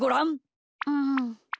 うん。